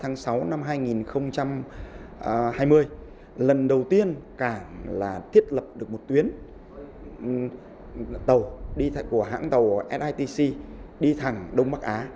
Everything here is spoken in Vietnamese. ngày ba sáu hai nghìn hai mươi lần đầu tiên cảng thiết lập được một tuyến tàu của hãng tàu nitc đi thẳng đông bắc á